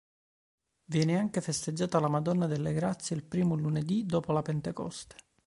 Viene anche festeggiata la Madonna delle Grazie il primo lunedì dopo la Pentecoste.